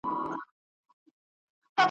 او ویډیوګاني خپرې سوې !.